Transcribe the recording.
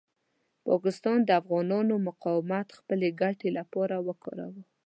پاکستان د افغانانو مقاومت د خپلې ګټې لپاره وکاروه.